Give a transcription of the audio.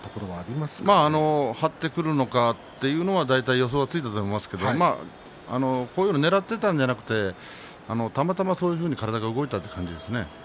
まあ張ってくるのかというのは大体、予想はついたと思いますがこういうのはねらってたんじゃなくてたまたまそういうふうに体が動いたというところですね。